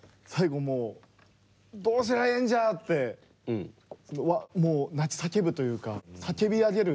もう「どうしたらええんじゃあ！」って泣き叫ぶというか叫び上げる